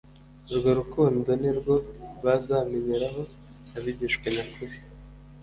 Urwo rukundo ni rwo bazamenyeraho abigishwa nyakuri,